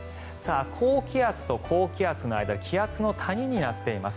高気圧と高気圧の間が気圧の谷になっています。